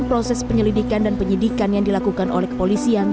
proses penyelidikan dan penyidikan yang dilakukan oleh kepolisian